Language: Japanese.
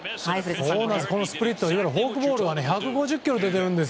スプリットいわゆるフォークボールが１５０キロ出ているんです。